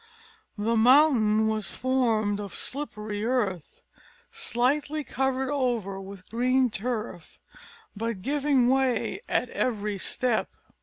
This mountain was formed of slippery earth, slightly covered over with green turf, but giving way at every step.